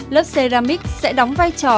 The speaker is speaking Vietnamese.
lớp ceramic sẽ đóng vai trò